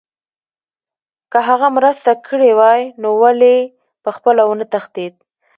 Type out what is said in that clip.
که هغه مرسته کړې وای نو ولې پخپله ونه تښتېد